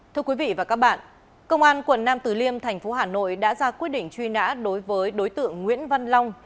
thưa quý vị và các bạn công an quần nam tử liêm tp hcm đã ra quyết định truy nã đối với đối tượng nguyễn văn long